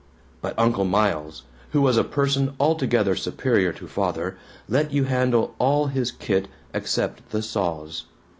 But Uncle Miles, who was a person altogether superior to Father, let you handle all his kit except the saws.